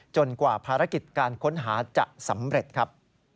กว่าภารกิจการค้นหาจะสำเร็จครับ